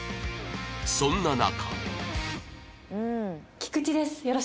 そんな中